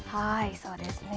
そうですね。